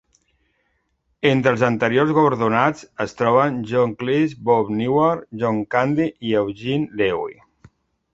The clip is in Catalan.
Entre els anteriors guardonats es troben John Cleese, Bob Newhart, John Candy i Eugene Levy.